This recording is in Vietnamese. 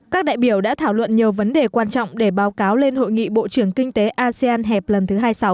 các đại biểu đã thảo luận nhiều vấn đề quan trọng để báo cáo lên hội nghị bộ trưởng kinh tế asean hẹp lần thứ hai mươi sáu